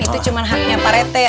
itu cuma haknya pak rete